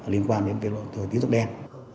liên quan đến tiến dụng đen